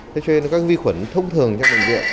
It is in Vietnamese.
thế cho nên các vi khuẩn thông thường trong bệnh viện